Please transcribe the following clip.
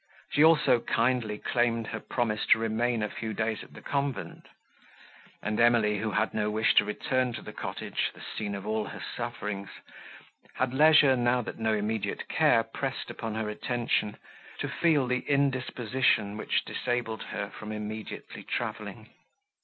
She also kindly claimed her promise to remain a few days at the convent; and Emily, who had no wish to return to the cottage, the scene of all her sufferings, had leisure, now that no immediate care pressed upon her attention, to feel the indisposition, which disabled her from immediately travelling.